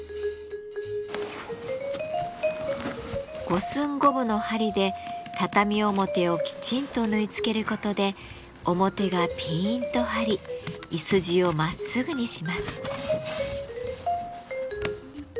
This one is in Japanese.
五寸五分の針で畳表をきちんと縫い付けることで表がピンと張りいすじをまっすぐにします。